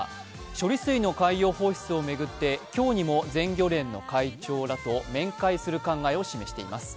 処理水の海洋放出を巡って今日にも全漁連の会長らと面会する考えを示しています。